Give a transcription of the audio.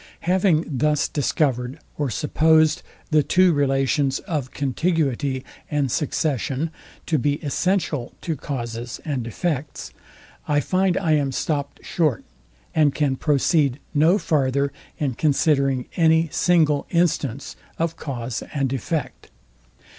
Having thus discovered or supposed the two relations of contiguity and succession to be essential to causes and effects, I find I am stopt short, and can proceed no farther in considering any single instance of cause and effect.